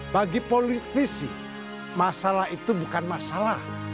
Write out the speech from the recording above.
bagi politisi masalah itu bukan masalah